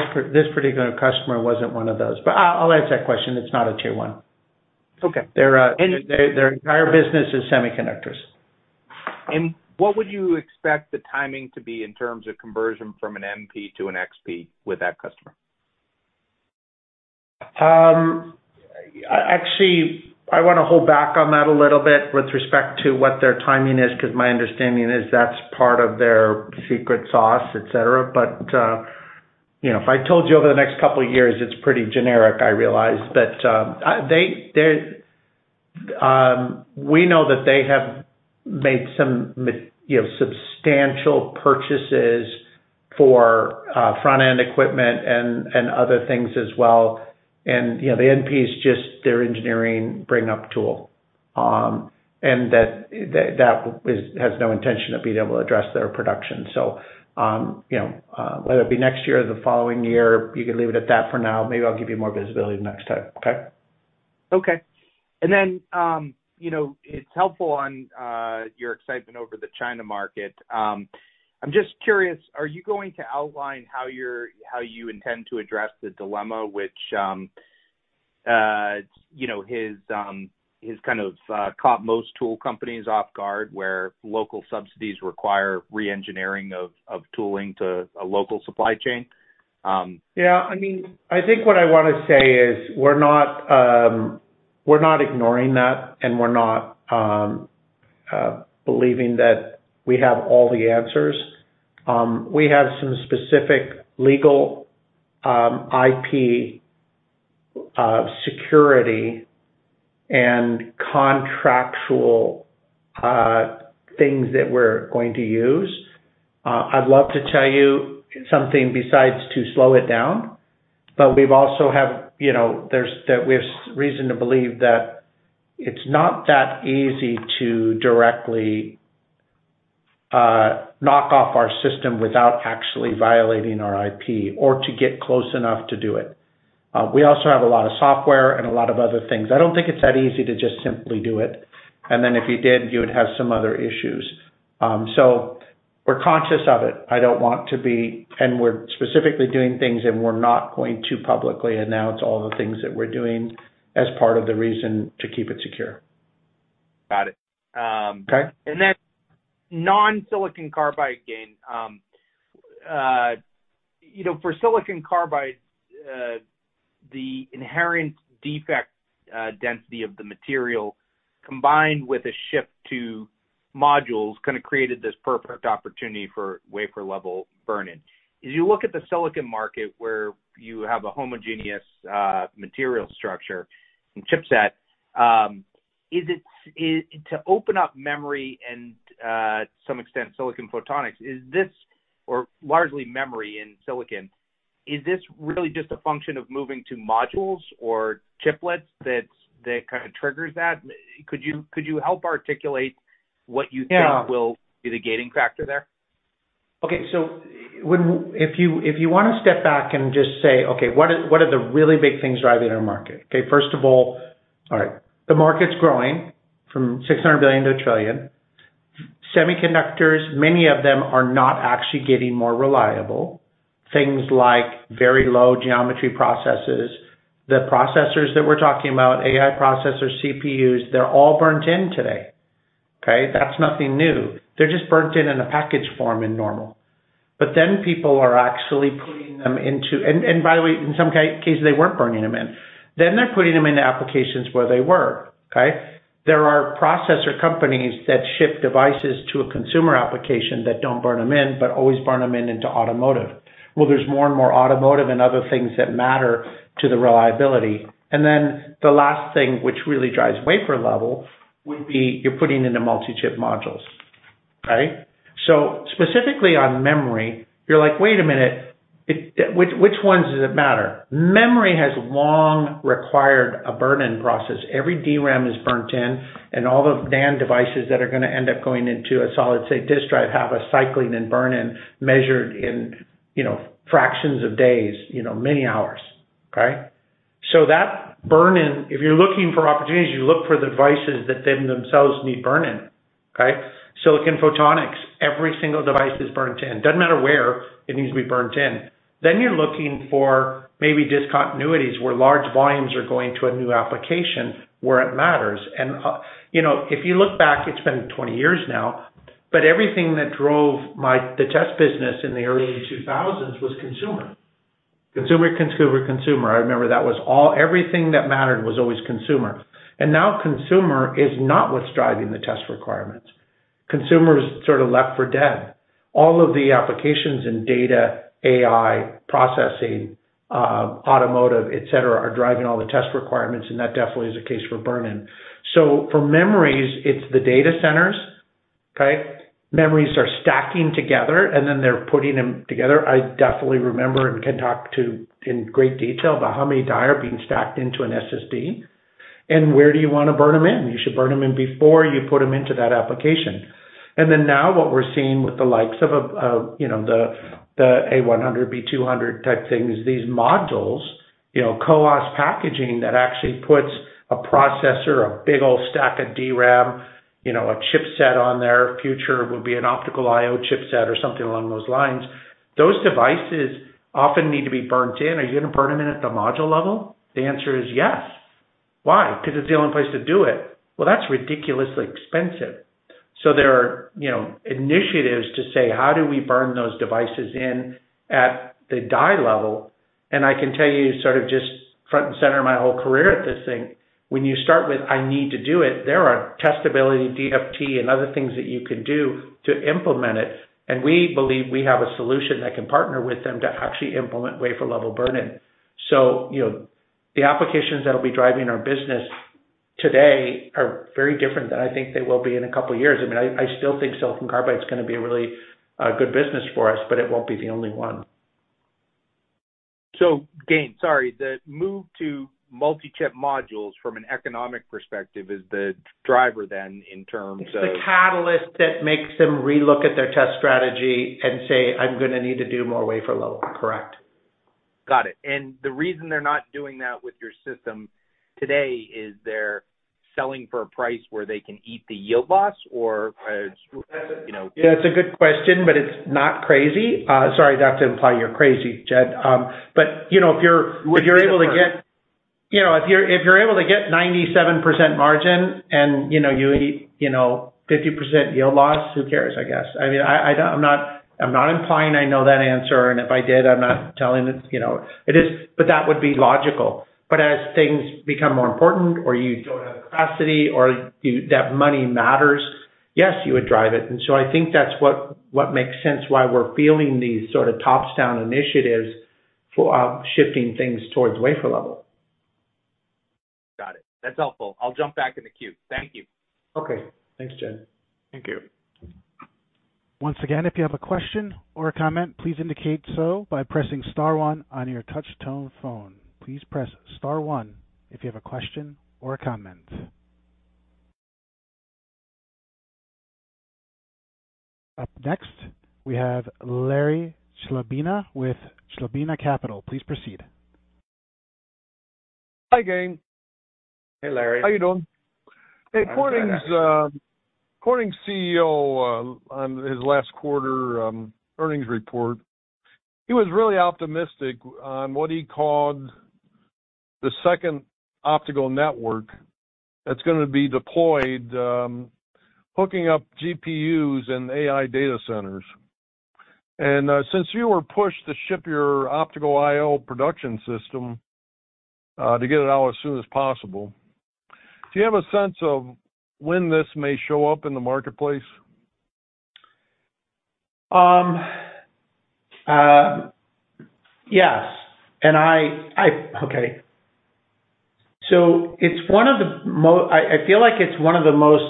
particular customer wasn't one of those. But I'll answer that question. It's not a Tier 1. Their entire business is semiconductors. What would you expect the timing to be in terms of conversion from an NP to an XP with that customer? Actually, I want to hold back on that a little bit with respect to what their timing is because my understanding is that's part of their secret sauce, etc. But if I told you over the next couple of years, it's pretty generic, I realize. But we know that they have made some substantial purchases for front-end equipment and other things as well. And the NP's their engineering bring-up tool, and that has the intention of being able to address their production. So whether it be next year or the following year, you could leave it at that for now. Maybe I'll give you more visibility next time, okay? Okay. And then it's helpful on your excitement over the China market. I'm just curious, are you going to outline how you intend to address the dilemma, which has kind of caught most tool companies off guard where local subsidies require re-engineering of tooling to a local supply chain? Yeah. I mean, I think what I want to say is we're not ignoring that, and we're not believing that we have all the answers. We have some specific legal IP security and contractual things that we're going to use. I'd love to tell you something besides to slow it down, but we also have, there's reason to believe that it's not that easy to directly knock off our system without actually violating our IP or to get close enough to do it. We also have a lot of software and a lot of other things. I don't think it's that easy to just simply do it. And then if you did, you would have some other issues. So we're conscious of it. I don't want to be, and we're specifically doing things, and we're not going to publicly announce all the things that we're doing as part of the reason to keep it secure. Got it. And then non-silicon carbide, Gayn, for silicon carbide, the inherent defect density of the material combined with a shift to modules kind of created this perfect opportunity for wafer-level burn-in. As you look at the silicon market where you have a homogeneous material structure and chipset, to open up memory and, to some extent, silicon photonics, or largely memory in silicon, is this really just a function of moving to modules or chiplets that kind of triggers that? Could you help articulate what you think will be the gating factor there? Okay. So if you want to step back and just say, "Okay, what are the really big things driving our market?" Okay, first of all, all right, the market's growing from $600 billion to $1 trillion. Semiconductors, many of them are not actually getting more reliable. Things like very low geometry processes, the processors that we're talking about, AI processors, CPUs, they're all burnt in today, okay? That's nothing new. They're just burnt in in a packaged form and normal. But then people are actually putting them into and by the way, in some cases, they weren't burning them in. Then they're putting them into applications where they were, okay? There are processor companies that ship devices to a consumer application that don't burn them in but always burn them in into automotive. Well, there's more and more automotive and other things that matter to the reliability. And then the last thing, which really drives wafer level, would be you're putting into multi-chip modules, right? So specifically on memory, you're like, "Wait a minute. Which ones does it matter?" Memory has long required a burn-in process. Every DRAM is burned in, and all the NAND devices that are going to end up going into a solid-state drive have a cycling and burn-in measured in fractions of days, many hours, okay? So that burn-in, if you're looking for opportunities, you look for the devices that them themselves need burn-in, okay? Silicon photonics, every single device is burned in. Doesn't matter where, it needs to be burned in. Then you're looking for maybe discontinuities where large volumes are going to a new application where it matters. If you look back, it's been 20 years now, but everything that drove the test business in the early 2000s was consumer. Consumer, consumer, consumer. I remember that was all everything that mattered was always consumer. Now consumer is not what's driving the test requirements. Consumer's sort of left for dead. All of the applications in data, AI, processing, automotive, etc., are driving all the test requirements, and that definitely is a case for burn-in. For memories, it's the data centers, okay? Memories are stacking together, and then they're putting them together. I definitely remember and can talk to in great detail about how many die are being stacked into an SSD, and where do you want to burn them in? You should burn them in before you put them into that application. And then, now what we're seeing with the likes of the A100, B200 type things, these modules, co-packaged packaging that actually puts a processor, a big old stack of DRAM, a chipset on there. Future will be an optical I/O chipset or something along those lines. Those devices often need to be burned in. Are you going to burn them in at the module level? The answer is yes. Why? Because it's the only place to do it. Well, that's ridiculously expensive. So there are initiatives to say, "How do we burn those devices in at the die level?" And I can tell you sort of just front and center of my whole career at this thing, when you start with, "I need to do it," there are testability, DFT, and other things that you can do to implement it. We believe we have a solution that can partner with them to actually implement wafer-level burn-in. The applications that'll be driving our business today are very different than I think they will be in a couple of years. I mean, I still think silicon carbide is going to be a really good business for us, but it won't be the only one. Gayn, sorry, the move to multi-chip modules from an economic perspective is the driver then in terms of. It's the catalyst that makes them relook at their test strategy and say, "I'm going to need to do more wafer level," correct? Got it. The reason they're not doing that with your system today is they're selling for a price where they can eat the yield loss, or it's. Yeah, that's a good question, but it's not crazy. Sorry, I'd have to imply you're crazy, Jed. But if you're able to get 97% margin and you eat 50% yield loss, who cares, I guess? I mean, I'm not implying I know that answer, and if I did, I'm not telling it's but that would be logical. But as things become more important or you don't have the capacity or that money matters, yes, you would drive it. And so I think that's what makes sense why we're feeling these sort of top-down initiatives shifting things towards wafer level. Got it. That's helpful. I'll jump back in the queue. Thank you. Okay. Thanks, Jed. Thank you. Once again, if you have a question or a comment, please indicate so by pressing star one on your touch-tone phone. Please press star one if you have a question or a comment. Up next, we have Larry Chlebina with Chlebina Capital. Please proceed. Hi, Gayn. Hey, Larry. How you doing? Hey, Corning's CEO on his last quarter earnings report, he was really optimistic on what he called the second optical network that's going to be deployed hooking up GPUs and AI data centers. And since you were pushed to ship your optical I/O production system to get it out as soon as possible, do you have a sense of when this may show up in the marketplace? Yes. Okay, so I feel like it's one of the most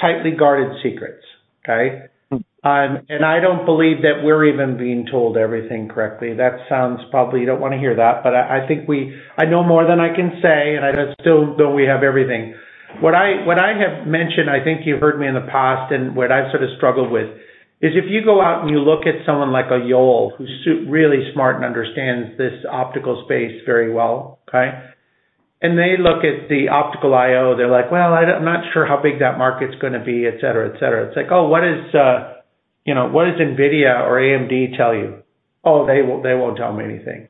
tightly guarded secrets, okay? I don't believe that we're even being told everything correctly. That sounds, probably, you don't want to hear that, but I think I know more than I can say, and I still don't have everything. What I have mentioned, I think you've heard me in the past, and what I've sort of struggled with is if you go out and you look at someone like a Yole who's really smart and understands this optical space very well, okay, and they look at the optical I/O, they're like, "Well, I'm not sure how big that market's going to be," etc., etc. It's like, "Oh, what does NVIDIA or AMD tell you?" "Oh, they won't tell me anything."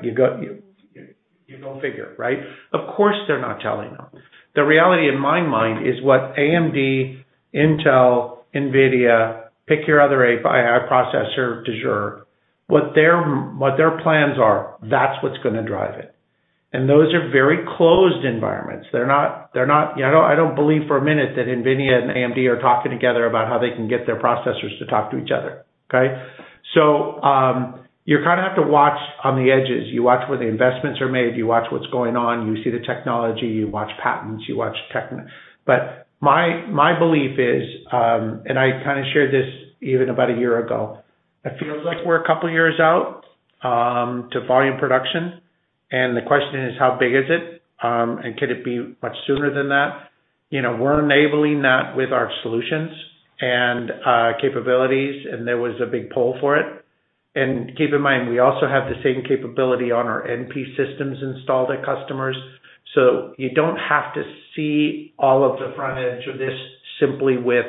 You go figure, right? Of course, they're not telling you. The reality in my mind is what AMD, Intel, NVIDIA, pick your other AI processor, du jour, what their plans are, that's what's going to drive it. And those are very closed environments. They're not, I don't believe for a minute that NVIDIA and AMD are talking together about how they can get their processors to talk to each other, okay? So you kind of have to watch on the edges. You watch where the investments are made. You watch what's going on. You see the technology. You watch patents. But my belief is and I kind of shared this even about a year ago. It feels like we're a couple of years out to volume production. And the question is, how big is it? And could it be much sooner than that? We're enabling that with our solutions and capabilities, and there was a big pull for it. Keep in mind, we also have the same capability on our NP systems installed at customers. You don't have to see all of the front edge of this simply with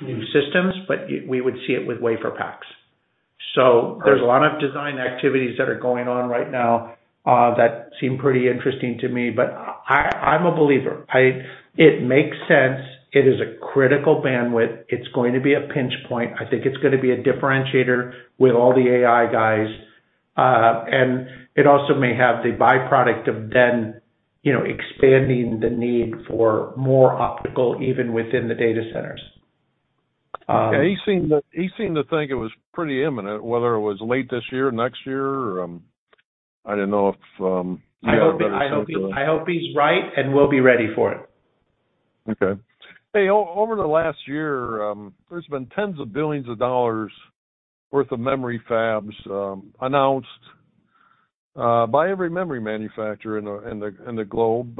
new systems, but we would see it with WaferPaks. There's a lot of design activities that are going on right now that seem pretty interesting to me, but I'm a believer. It makes sense. It is a critical bandwidth. It's going to be a pinch point. I think it's going to be a differentiator with all the AI guys. It also may have the byproduct of then expanding the need for more optical even within the data centers. Yeah. He seemed to think it was pretty imminent, whether it was late this year, next year, or I didn't know if you had a list of. I hope he's right and will be ready for it. Okay. Hey, over the last year, there's been tens of billions of dollars worth of memory fabs announced by every memory manufacturer in the globe.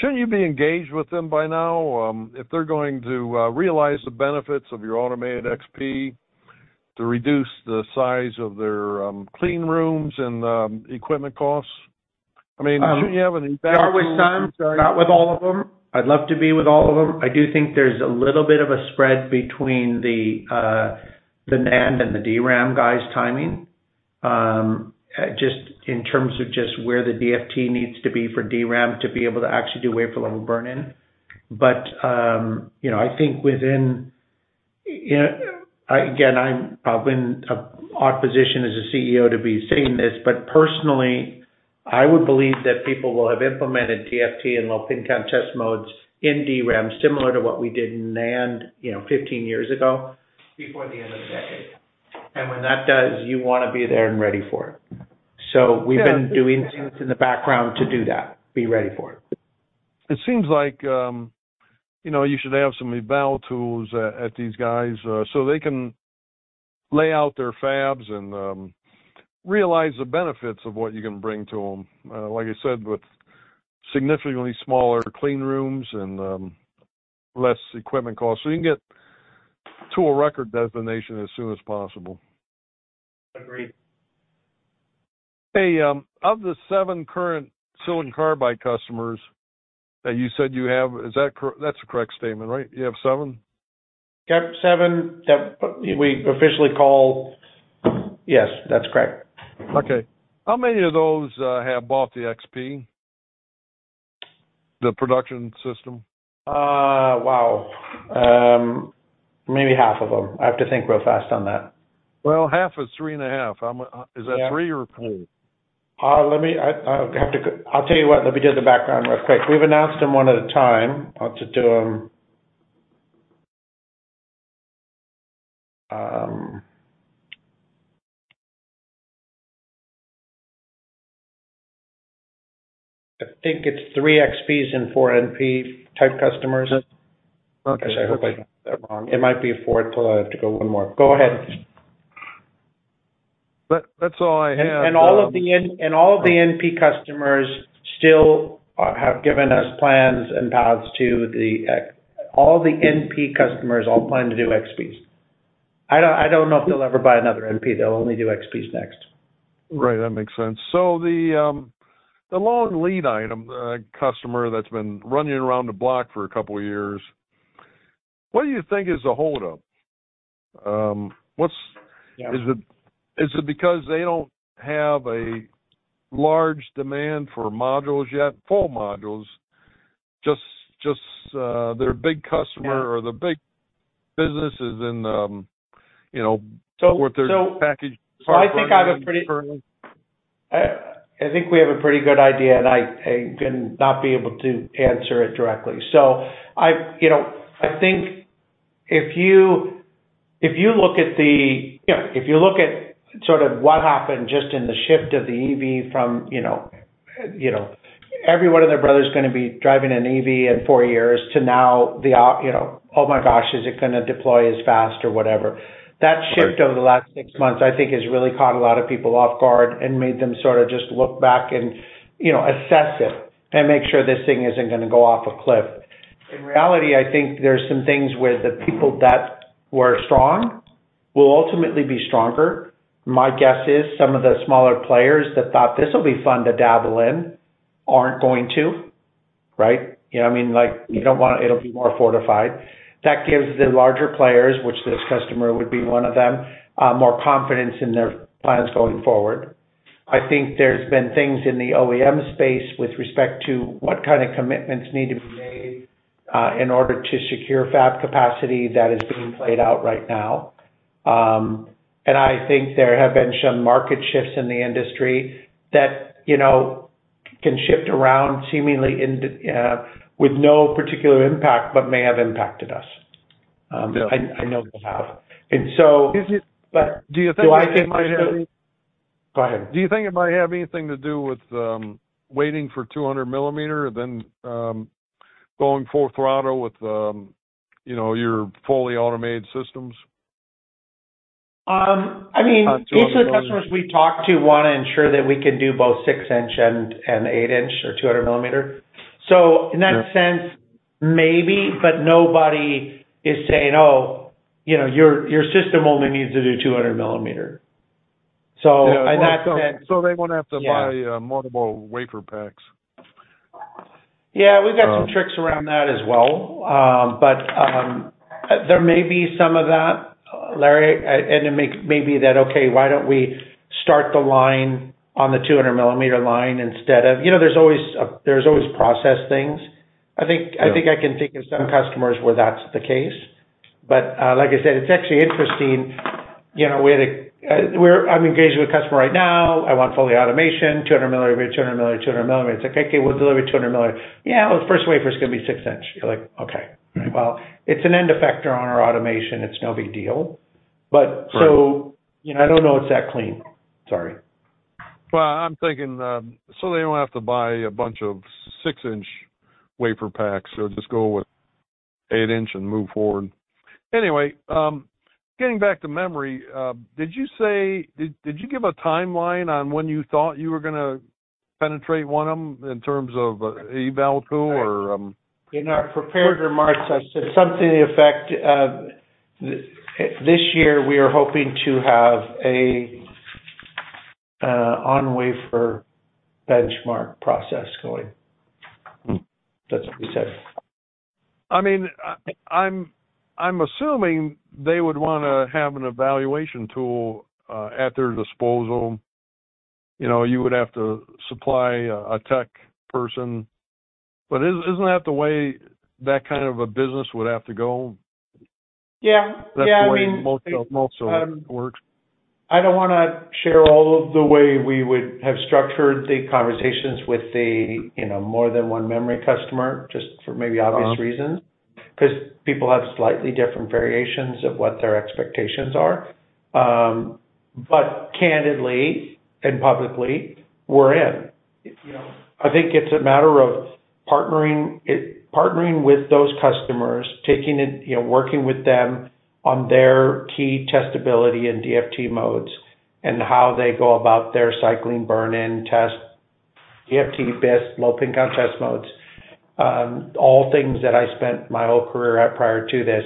Shouldn't you be engaged with them by now if they're going to realize the benefits of your automated XP to reduce the size of their clean rooms and equipment costs? I mean, shouldn't you have an impact on. Not with some, not with all of them. I'd love to be with all of them. I do think there's a little bit of a spread between the NAND and the DRAM guys' timing just in terms of just where the DFT needs to be for DRAM to be able to actually do wafer-level burn-in. But I think within again, I'm probably in an odd position as a CEO to be saying this, but personally, I would believe that people will have implemented DFT and low-pin count test modes in DRAM similar to what we did in NAND 15 years ago before the end of the decade. And when that does, you want to be there and ready for it. So we've been doing things in the background to do that, be ready for it. It seems like you should have some eval tools at these guys so they can lay out their fabs and realize the benefits of what you can bring to them, like I said, with significantly smaller clean rooms and less equipment costs. You can get to a record designation as soon as possible. Agreed. Hey, of the seven current silicon carbide customers that you said you have, that's the correct statement, right? You have seven? Yep, seven that we officially call. Yes, that's correct. Okay. How many of those have bought the XP, the production system? Wow. Maybe half of them. I have to think real fast on that. Well, half is three and a half. Is that three or four? I'll tell you what. Let me do the background real quick. We've announced them one at a time. I'll just do them. I think it's three XPs and four NP type customers. Gosh, I hope I don't have that wrong. It might be four till I have to go one more. Go ahead. That's all I have. All of the NP customers still have given us plans and paths to the XP. All the NP customers plan to do XPs. I don't know if they'll ever buy another NP. They'll only do XPs next. Right. That makes sense. So the long lead item customer that's been running around the block for a couple of years, what do you think is the holdup? Is it because they don't have a large demand for modules yet, full modules? Just their big customer or the big business is in what they're packaged parts currently? So I think we have a pretty good idea, and I can not be able to answer it directly. So I think if you look at sort of what happened just in the shift of the EV from every one of their brothers going to be driving an EV in four years to now the, "Oh my gosh, is it going to deploy as fast or whatever?" That shift over the last six months, I think, has really caught a lot of people off guard and made them sort of just look back and assess it and make sure this thing isn't going to go off a cliff. In reality, I think there's some things where the people that were strong will ultimately be stronger. My guess is some of the smaller players that thought, "This will be fun to dabble in," aren't going to, right? I mean, you don't want it'll be more fortified. That gives the larger players, which this customer would be one of them, more confidence in their plans going forward. I think there's been things in the OEM space with respect to what kind of commitments need to be made in order to secure fab capacity that is being played out right now. I think there have been some market shifts in the industry that can shift around seemingly with no particular impact but may have impacted us. I know they have. And so. Do you think it might have anything to do with waiting for 200 mm and then going full throttle with your fully automated systems? I mean, each of the customers we talk to want to ensure that we can do both 6-inch and 8-inch or 200 mm. So in that sense, maybe, but nobody is saying, "Oh, your system only needs to do 200 mm." So in that sense. So they won't have to buy multiple WaferPaks. Yeah, we've got some tricks around that as well. But there may be some of that, Larry, and it may be that, "Okay, why don't we start the line on the 200 mm line instead of?" There's always process things. I think I can think of some customers where that's the case. But like I said, it's actually interesting. I'm engaged with a customer right now. I want fully automation, 200 mm, 200 mm, 200 mm. It's like, "Okay, we'll deliver 200 mm." "Yeah, well, the first wafer's going to be 6-inch." You're like, "Okay." Well, it's an end effector on our automation. It's no big deal. So I don't know it's that clean. Sorry. Well, I'm thinking so they don't have to buy a bunch of 6-inch WaferPaks. They'll just go with 8-inch and move forward. Anyway, getting back to memory, did you say did you give a timeline on when you thought you were going to penetrate one of them in terms of eval tool or? In our prepared remarks, I said something to the effect of, "This year, we are hoping to have an on-wafer benchmark process going." That's what we said. I mean, I'm assuming they would want to have an evaluation tool at their disposal. You would have to supply a tech person. But isn't that the way that kind of a business would have to go? Yeah. I mean. That's the way most of it works. I don't want to share all of the way we would have structured the conversations with the more than one memory customer just for maybe obvious reasons because people have slightly different variations of what their expectations are. But candidly and publicly, we're in. I think it's a matter of partnering with those customers, working with them on their key testability and DFT modes and how they go about their cycling burn-in test, DFT-based, low-pin count test modes, all things that I spent my whole career at prior to this.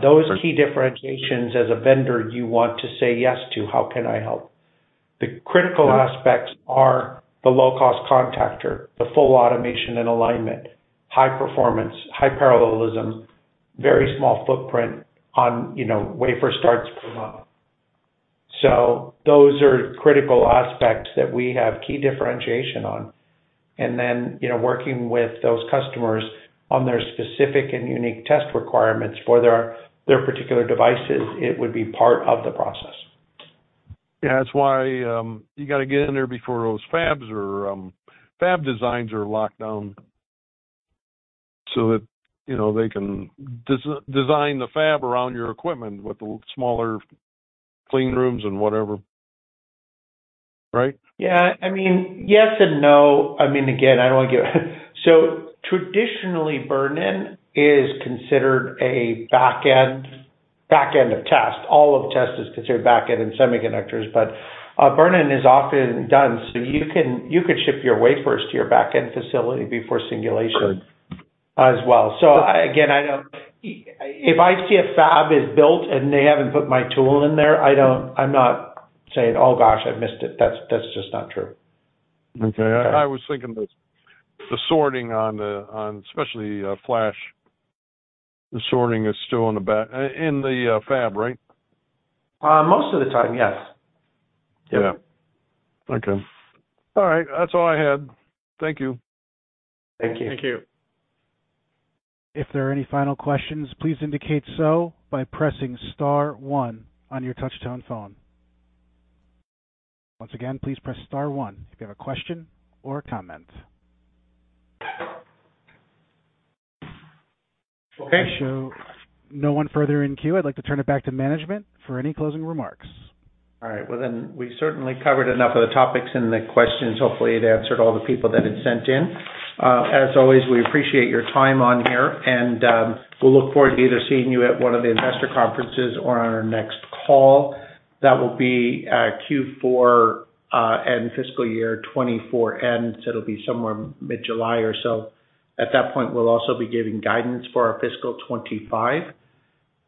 Those key differentiations as a vendor you want to say yes to, "How can I help?" The critical aspects are the low-cost contactor, the full automation and alignment, high performance, high parallelism, very small footprint on wafer starts per month. So those are critical aspects that we have key differentiation on. And then working with those customers on their specific and unique test requirements for their particular devices, it would be part of the process. Yeah. That's why you got to get in there before those fabs or fab designs are locked down so that they can design the fab around your equipment with the smaller clean rooms and whatever, right? Yeah. I mean, yes and no. I mean, again, I don't want to give so traditionally, burn-in is considered a backend of test. All of test is considered backend in semiconductors, but burn-in is often done. So you could ship your wafers to your backend facility before singulation as well. So again, if I see a fab is built and they haven't put my tool in there, I'm not saying, "Oh gosh, I've missed it." That's just not true. Okay. I was thinking the sorting on especially flash, the sorting is still in the back in the fab, right? Most of the time, yes. Yeah. Okay. All right. That's all I had. Thank you. Thank you. Thank you. If there are any final questions, please indicate so by pressing star one on your touch-tone phone. Once again, please press star one if you have a question or a comment. Okay. I show no one further in queue. I'd like to turn it back to management for any closing remarks. All right. Well, then we certainly covered enough of the topics and the questions. Hopefully, it answered all the people that had sent in. As always, we appreciate your time on here, and we'll look forward to either seeing you at one of the investor conferences or on our next call. That will be Q4 and fiscal year 2024. So it'll be somewhere mid-July or so. At that point, we'll also be giving guidance for our fiscal 2025.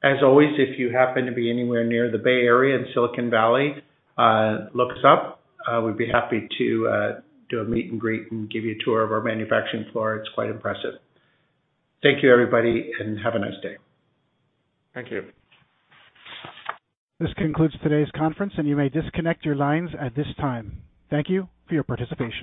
As always, if you happen to be anywhere near the Bay Area and Silicon Valley, look us up. We'd be happy to do a meet and greet and give you a tour of our manufacturing floor. It's quite impressive. Thank you, everybody, and have a nice day. Thank you. This concludes today's conference, and you may disconnect your lines at this time. Thank you for your participation.